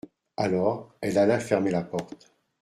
Alors, elle alla fermer la porte.